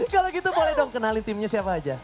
kalau gitu boleh dong kenalin timnya siapa aja